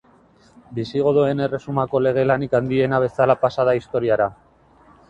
Bisigodoen erresumako lege lanik handiena bezala pasa da historiara.